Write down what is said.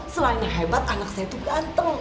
selainnya hebat anak saya itu ganteng